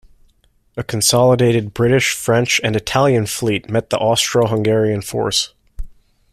A consolidated British, French and Italian fleet met the Austro-Hungarian force.